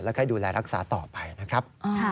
ให้ดูแลรักษาต่อไปนะครับ